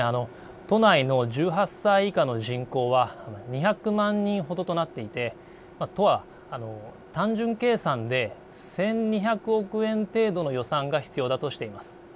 都内の１８歳以下の人口は２００万人ほどとなっていて都は単純計算で１２００億円程度の予算が必要だとしています。